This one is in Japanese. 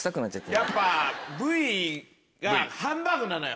やっぱＶＴＲがハンバーグなのよ。